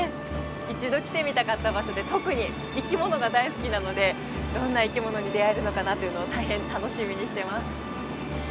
一度来てみたかった場所で特に生き物が大好きなのでどんな生き物に出会えるのかなというのを大変楽しみにしてます。